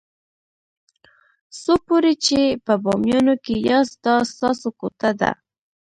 څو پورې چې په بامیانو کې یاست دا ستاسو کوټه ده.